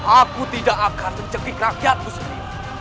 aku tidak akan mencekik rakyatku sendiri